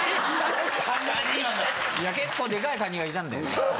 いや結構デカいカニがいたんだよね。